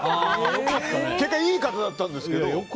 結局いい方だったんですけど。